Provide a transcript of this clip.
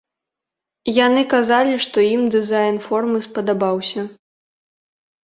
Яны казалі, што ім дызайн формы спадабаўся.